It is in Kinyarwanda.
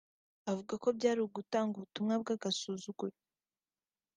avuga ko byari nko gutanga “ubutumwa bw’agasuzuguro”